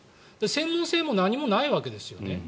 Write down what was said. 専門性も何もないわけですよね。